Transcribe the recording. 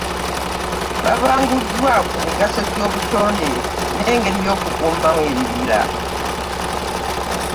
Babanguddwa ku migaso gy'obutonde n'engeri y'okukuumamu ebibira